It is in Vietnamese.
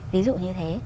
ví dụ như thế